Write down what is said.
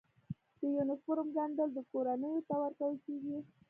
د یونیفورم ګنډل کورنیو ته ورکول کیږي؟